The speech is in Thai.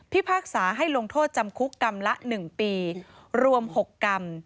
พากษาให้ลงโทษจำคุกกรรมละ๑ปีรวม๖กรรม